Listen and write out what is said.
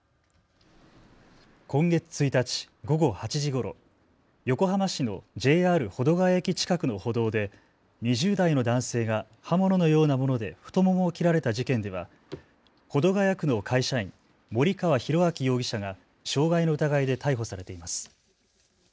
今月１日午後８時ごろ、横浜市のＪＲ保土ケ谷駅近くの歩道で２０代の男性が刃物のようなもので太ももを切られた事件では保土ケ谷区の会社員、森川浩昭容疑者が傷害の疑いで逮捕されています。